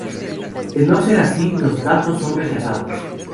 De no ser así los datos son rechazados.